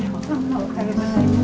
おはようございます。